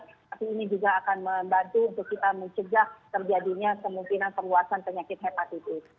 tapi ini juga akan membantu untuk kita mencegah terjadinya kemungkinan perluasan penyakit hepatitis